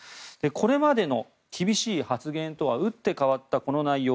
これまでの厳しい発言とは打って変わったこの内容